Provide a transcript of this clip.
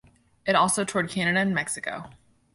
It also toured Canada and Mexico.